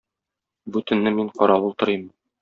Бу төнне мин каравыл торыйм.